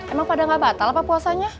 emang pada gak batal apa puasanya